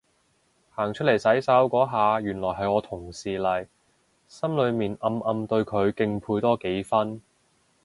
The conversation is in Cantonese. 行出嚟洗手嗰下原來係我同事嚟，心裏面暗暗對佢敬佩多幾分